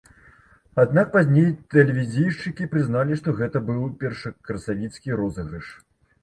Аднак пазней тэлевізійшчыкі прызналіся, што гэта быў першакрасавіцкі розыгрыш.